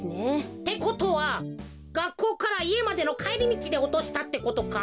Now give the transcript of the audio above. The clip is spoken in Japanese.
ってことはがっこうからいえまでのかえりみちでおとしたってことか？